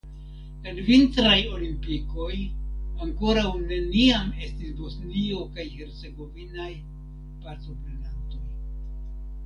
En vintraj olimpikoj ankoraŭ neniam estis Bosnio kaj Hercegovinaj partoprenantoj.